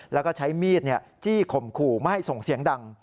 แล้วก็ใช้มีดจี้ข่มขู่ไม่ให้ส่งเสียงดัง